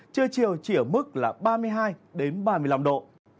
trưa chiều chỉ ở mức là ba mươi hai ba mươi năm độ